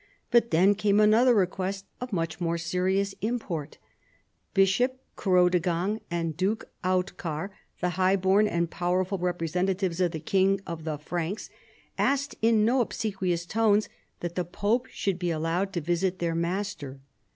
But then came another request of much more serious import. Bishop Chi'odegang and Duke Autchar, the high born and powerful representatives of the King of the Franks, asked, in no obsequious tones, that the pope should be allowed to visit their master.